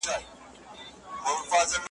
نذرانه مو غبرګي سترګي ورلېږلي ,